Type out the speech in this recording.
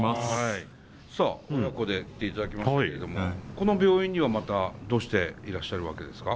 さあ親子で来ていただきましたけれどもこの病院にはまたどうしていらっしゃるわけですか？